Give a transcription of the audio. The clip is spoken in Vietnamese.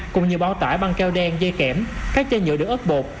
cùng nhiều bao tải băng keo đen dây kẻm các chai nhựa được ớt bột